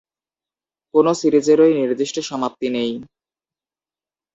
কোনো সিরিজেরই নির্দিষ্ট সমাপ্তি নেই।